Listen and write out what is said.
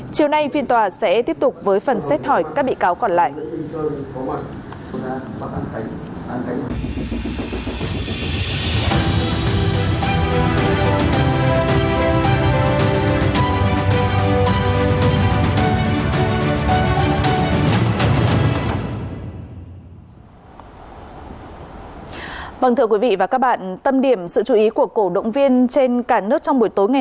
chiều nay phiên tòa sẽ tiếp tục với phần xét hỏi các bị cáo còn lại